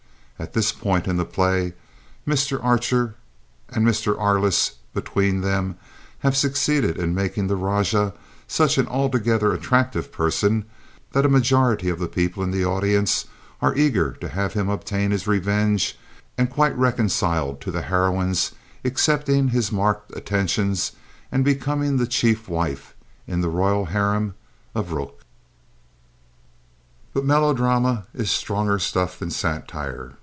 At this point in the play Mr. Archer and Mr. Arliss between them have succeeded in making the rajah such an altogether attractive person that a majority of the people in the audience are eager to have him obtain his revenge and quite reconciled to the heroine's accepting his marked attentions and becoming the chief wife in the royal harem of Rukh. But melodrama is stronger stuff than satire.